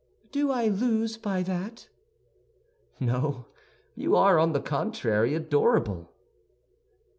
"Do I lose by that?" "No; you are, on the contrary, adorable."